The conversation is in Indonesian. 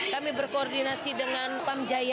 kami berkoordinasi dengan pam jaya